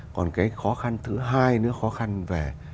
còn cái khó khăn thứ hai nữa khó khăn về